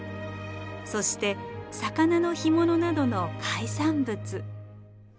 そして魚の干物などの海産物。